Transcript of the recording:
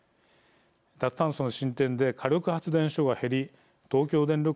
脱炭素の進展で火力発電所が減り東京電力